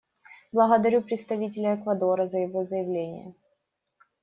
Благодарю представителя Эквадора за его заявление.